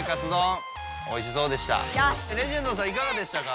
いややっぱりレジェンドさんいかがでしたか？